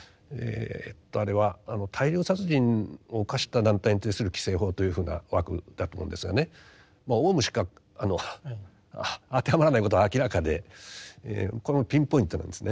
あれは大量殺人を犯した団体に対する規制法というふうな枠だと思うんですがねオウムしか当てはまらないことは明らかでこのピンポイントなんですね。